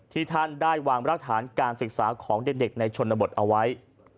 ที่ท่านได้วางรากฐานการศึกษาของเด็กในชนบทเอาไว้